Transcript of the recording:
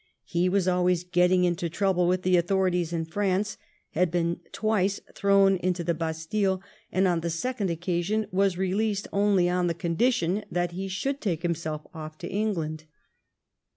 He was always getting into trouble with the authorities in France, had been twice thrown into the Bastille, and on the second occasion was released only on the condition that he should take himself off to England.